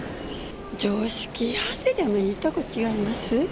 常識外れもいいとこ違います？